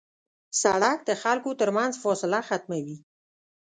سړک د خلکو تر منځ فاصله ختموي.